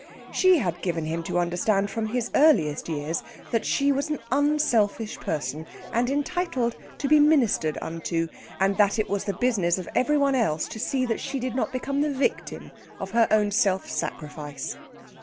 She had given him to understand from his earliest years that she was an unselfish person, and entitled to be ministered unto, and that it was the business of every one else to see that she did not become the victim of her own self sacrifice.